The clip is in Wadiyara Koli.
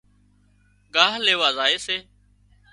ڳاهَه ليوا زائي سي